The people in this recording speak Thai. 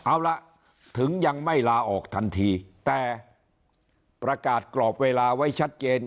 เอาล่ะถึงยังไม่ลาออกทันทีแต่ประกาศกรอบเวลาไว้ชัดเจน